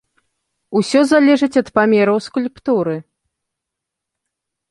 Усё залежыць ад памераў скульптуры.